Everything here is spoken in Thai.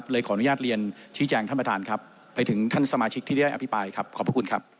เลยขออนุญาตเรียนชี้แจงท่านประธานครับไปถึงท่านสมาชิกที่ได้อภิปรายครับขอบพระคุณครับ